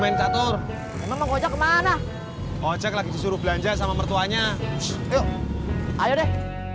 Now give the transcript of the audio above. ngajak lagi suruh belanja sama mertuanya ayo deh